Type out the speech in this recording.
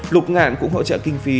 lục ngạn cũng hỗ trợ kinh phí